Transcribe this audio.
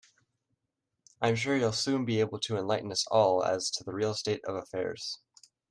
I'm sure you'll soon be able to enlighten us all as to the real state of affairs.